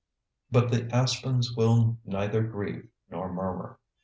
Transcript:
But the aspens will neither grieve nor murmur.